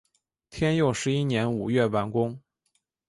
天佑十一年五月完工。